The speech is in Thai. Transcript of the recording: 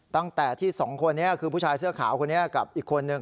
ตั้งแต่ที่สองคนนี้คือผู้ชายเสื้อขาวคนนี้กับอีกคนนึง